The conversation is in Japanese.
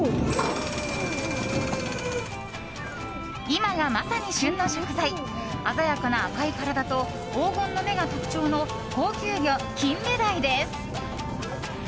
今がまさに旬の食材鮮やかな赤い体と黄金の目が特徴の高級魚、キンメダイです。